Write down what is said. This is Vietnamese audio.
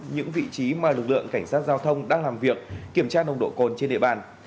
những vị trí mà lực lượng cảnh sát giao thông đang làm việc kiểm tra nồng độ cồn trên địa bàn